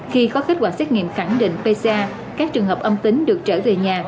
khi có kết quả xét nghiệm khẳng định pca các trường hợp âm tính được trở về nhà